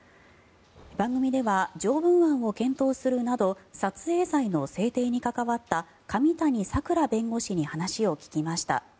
番組では条文案を検討するなど撮影罪の制定に関わった上谷さくら弁護士に話を聞きました。